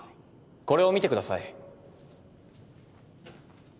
これを見てください。